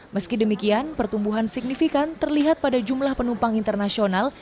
meski demikian pertumbuhan signifikan terlihat pada jumlah penumpang internasional